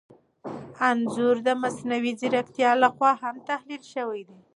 انځور د مصنوعي ځیرکتیا لخوا هم تحلیل شوی دی.